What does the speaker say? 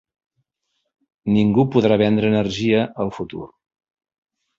Ningú podrà vendre energia al futur.